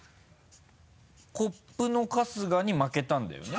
コップの春日に負けたんだよね？